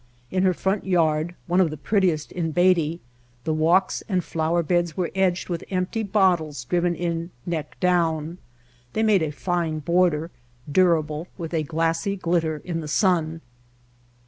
In her front yard, one of the prettiest in Beatty, the walks and flower beds were edged with empty bottles driven in neck down. They made a fine border, durable, with a glassy glitter in the sun.